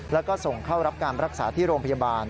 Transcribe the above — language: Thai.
แล้วก็ส่งเข้ารับการรักษาที่โรงพยาบาล